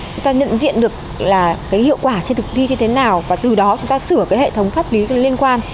chúng ta nhận diện được là cái hiệu quả trên thực thi như thế nào và từ đó chúng ta sửa cái hệ thống pháp lý liên quan